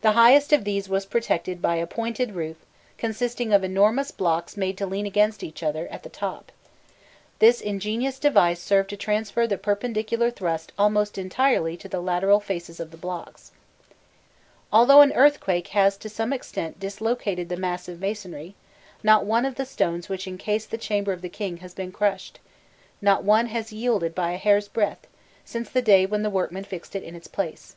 The highest of these was protected by a pointed roof consisting of enormous blocks made to lean against each other at the top: this ingenious device served to transfer the perpendicular thrust almost entirely to the lateral faces of the blocks. Although an earthquake has to some extent dislocated the mass of masonry, not one of the stones which encase the chamber of the king has been crushed, not one has yielded by a hair's breadth, since the day when the workmen fixed it in its place.